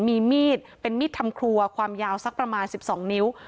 มีมีดเป็นมีดทำครัวความยาวสักประมาณ๑๒นิ้ว